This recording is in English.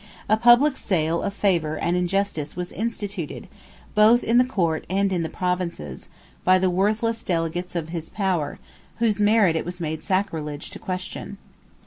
A public sale of favor and injustice was instituted, both in the court and in the provinces, by the worthless delegates of his power, whose merit it was made sacrilege to question.